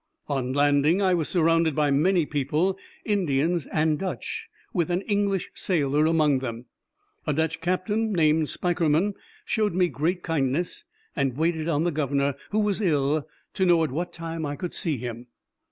On landing, I was surrounded by many people, Indians and Dutch, with an English sailor among them. A Dutch captain, named Spikerman, showed me great kindness, and waited on the governor, who was ill, to know at what time I could see him.